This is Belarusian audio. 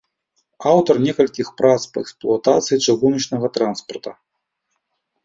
Аўтар некалькіх прац па эксплуатацыі чыгуначнага транспарта.